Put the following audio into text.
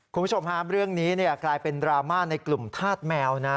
คุณผู้ชมฮะเรื่องนี้กลายเป็นดราม่าในกลุ่มธาตุแมวนะ